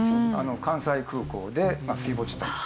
関西空港で水没と。